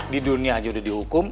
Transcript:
di dunia aja udah dihukum